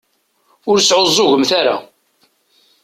Ur sεuẓẓugemt ara.